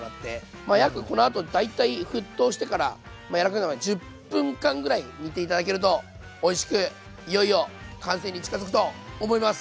まあこのあと大体沸騰してから柔らかくなるまで１０分間ぐらい煮て頂けるとおいしくいよいよ完成に近づくと思います。